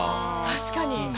確かに。